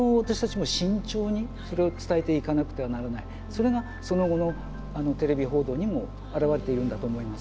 それがその後のテレビ報道にも表れているんだと思います。